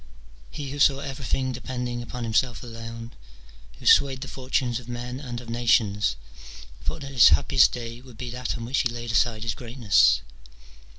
He, who saw everything de pending upon himself alone, who swayed the fortunes of men and of nations, thought that his happiest day would be that on which he laid aside his greatness.